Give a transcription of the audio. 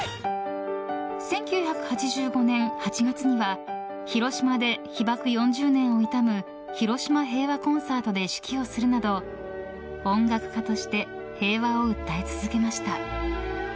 １９８５年８月には広島で被爆４０年を悼む広島平和コンサートで指揮をするなど音楽家として平和を訴え続けました。